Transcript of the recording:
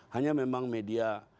hanya memang media